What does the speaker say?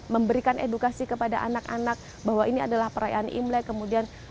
memberikan edukasi kepada anak anak bahwa ini adalah perayaan imlek kemudian